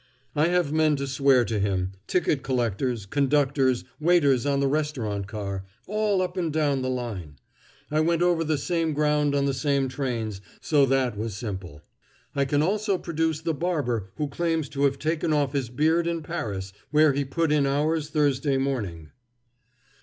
"I have men to swear to him ticket collectors, conductors, waiters on the restaurant car all up and down the line. I went over the same ground on the same trains, so that was simple. I can also produce the barber who claims to have taken off his beard in Paris, where he put in hours Thursday morning."